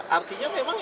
artinya memang itu